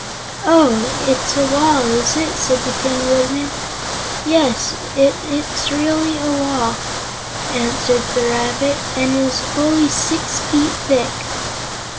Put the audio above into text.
"Oh; it's a wall, is it?" said the Tin Woodman. "Yes, it is really a wall," answered the rabbit, "and it is fully six feet thick."